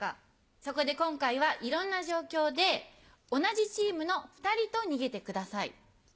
そこで今回はいろんな状況で同じチームの２人と逃げてください。